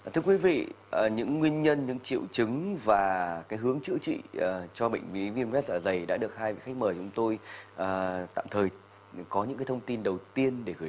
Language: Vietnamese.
thưa quý vị những nguyên nhân những triệu chứng và cái hướng chữa trị cho bệnh lý viêm vết giả dày đã được hai khách mời chúng tôi tạm thời có những thông tin đầu tiên để gửi đến